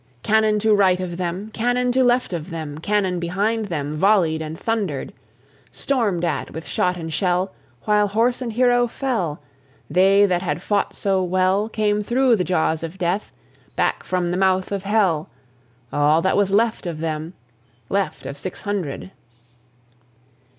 Cannon to right of them, Cannon to left of them, Cannon behind them Volleyed and thundered: Stormed at with shot and shell, While horse and hero fell, They that had fought so well Came through the jaws of death Back from the mouth of hell, All that was left of them Left of six hundred.